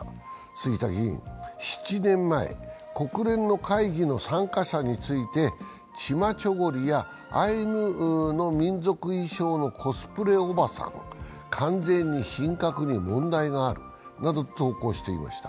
杉田議員、７年前、国連の会議の参加者について、チマチョゴリやアイヌの民族衣装のコスプレおばさん、完全に品格に問題があるなどと投稿していました。